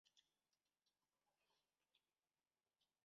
列兹金斯坦。